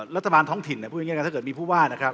รัฐบาลท้องถิ่นพูดง่ายกันถ้าเกิดมีผู้ว่านะครับ